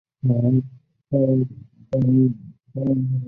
黎培銮家族对近现代文化科技事业发挥了深远的影响。